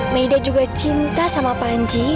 mayda juga cinta sama panji